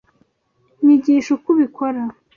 Nyigisha uko ubikora.